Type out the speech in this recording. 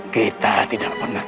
kita tidak pernah tahu